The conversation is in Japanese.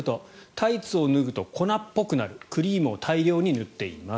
タイツを脱ぐと粉っぽくなるクリームを大量に塗っています。